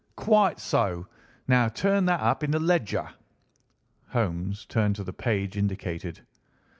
"Quite so. Now turn that up in the ledger." Holmes turned to the page indicated.